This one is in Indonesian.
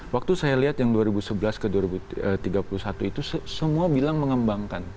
waktu saya lihat yang dua ribu sebelas ke dua ribu tiga puluh satu itu semua bilang mengembangkan